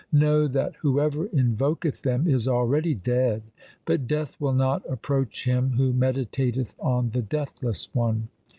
Know that whoever invoketh them is already dead, but death will not approach him who meditateth on the Deathless One.